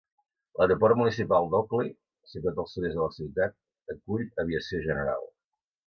L'aeroport municipal de Oakley, situat al sud-est de la ciutat, acull aviació general.